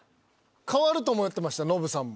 変わると思ってましたノブさんも。